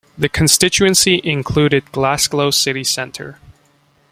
The constituency included Glasgow city centre.